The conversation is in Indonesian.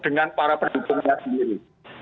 dengan para pendukungnya sendiri